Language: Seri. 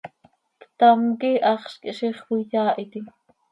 Ctam quih haxz quih ziix cöiyaahitim.